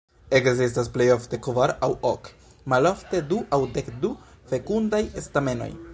Ekzistas plej ofte kvar aŭ ok, malofte du aŭ dekdu fekundaj stamenoj.